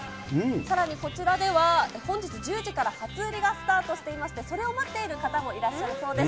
さらにこちらでは、本日１０時から初売りがスタートしていまして、それを待っている人もいらっしゃるそうです。